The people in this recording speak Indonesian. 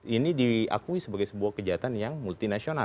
ini diakui sebagai sebuah kejahatan yang multinasional